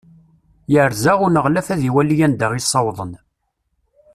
Yerza uneɣlaf ad iwali anda i ssawḍen.